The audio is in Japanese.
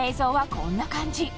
こんな感じ